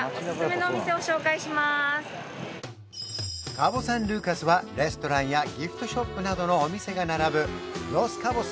カボ・サン・ルーカスはレストランやギフトショップなどのお店が並ぶロス・カボス